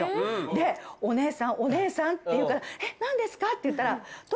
で「お姉さんお姉さん」って言うから「え？何ですか？」って言ったら。